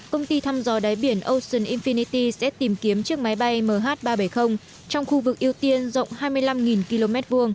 công ty thăm dò đáy biển ocean infinity sẽ tìm kiếm chiếc máy bay mh ba trăm bảy mươi trong khu vực ưu tiên rộng hai mươi năm km hai